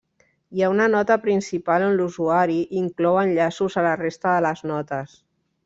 Hi ha una nota principal on l'usuari inclou enllaços a la resta de les notes.